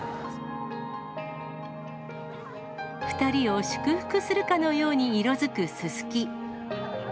２人を祝福するかのように色づくすすき。